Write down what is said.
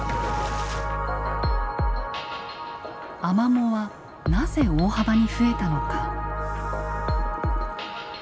アマモはなぜ大幅に増えたのか。